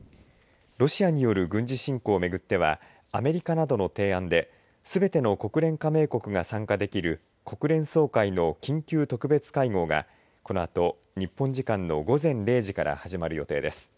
ロシアによる軍事侵攻をめぐってはアメリカなどの提案ですべての国連加盟国が参加できる国連総会の緊急特別会合がこのあと日本時間の午前０時から始まる予定です。